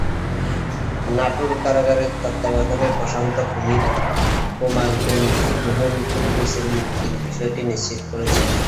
নাটোর কারাগারের তত্ত্বাবধায়ক প্রশান্ত কুমার বণিক রুহুল কুদ্দুসের মুক্তির বিষয়টি নিশ্চিত করেছেন।